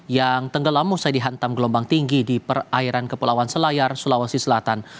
yang tenggelamu sedihantam gelombang tinggi di perairan kepulauan selayar sulawesi selatan